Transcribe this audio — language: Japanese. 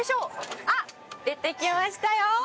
出てきましたよ。